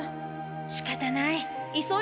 しかたない。